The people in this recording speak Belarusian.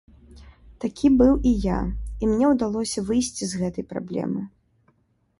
Такі быў і я, і мне ўдалося выйсці з гэтай праблемы.